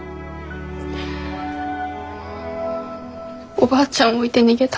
おばあちゃんを置いて逃げた。